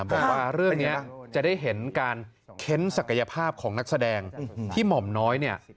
บอกว่าเรื่องนี้จะได้เห็นการเค้นศักยภาพของนักแสดงที่หม่อมน้อยเนี่ย